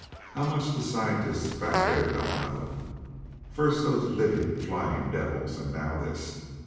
"How much the scientists back there don't know! First those livin', flyin' devils; and now this!